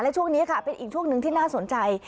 และช่วงนี้ค่ะเป็นอีกช่วงหนึ่งที่น่าสนใจ